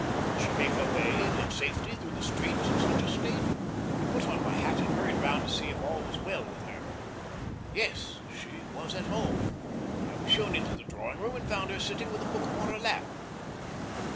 Could she make her way in safety through the streets in such a state? I put on my hat and hurried round to see if all was well with her. Yes. She was at home. I was shown into the drawing room and found her sitting with a book upon her lap.